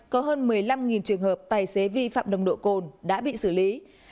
có hơn một mươi năm trường hợp tài xế vi phạm nồng độ cồn đã bị xử lý